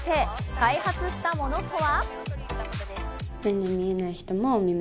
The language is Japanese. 開発したものとは？